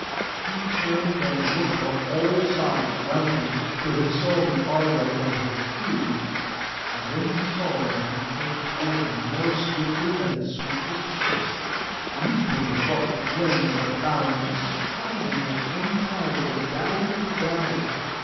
He turned and looked on all sides round him, till he saw the Argo and her crew; and when he saw them he came toward them, more swiftly than the swiftest horse, leaping across the glens at a bound, and striding at one step from down to down.